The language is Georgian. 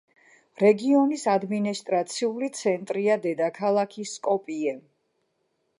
რეგიონის ადმინისტრაციული ცენტრია დედაქალაქი სკოპიე.